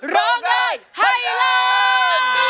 ร้องได้ให้ล้าน